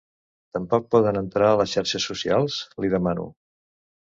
Tampoc poden entrar a les xarxes socials? —li demano.